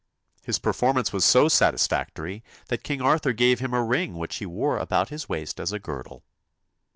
His performance was so satis factory that King Arthur gave him a ring which he wore about his waist as a girdle.